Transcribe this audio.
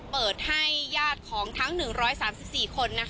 เปิดให้ญาติของทั้ง๑๓๔คน